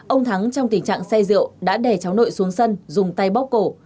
ông thắng trong tình trạng say rượu đã đè cháu nội xuống sân dùng tay bóc cổ